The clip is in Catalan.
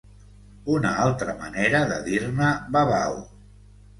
Una altra manera de dir-ne babau.